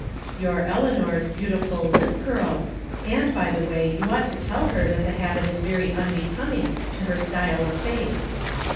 Your Eleanor's beautiful lip curled (and, by the way, you ought to tell her that the habit is very unbecoming to her style of face).